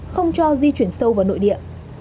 không cho di chuyển sâu vào nội địa